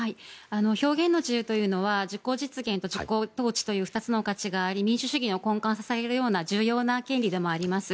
表現の自由というのは自己実現と自己統治という２つの価値があり民主主義の根幹を支えるような重要な権利でもあります。